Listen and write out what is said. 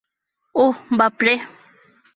ওহ, বাপরে।